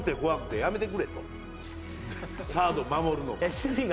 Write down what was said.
サード守るのが。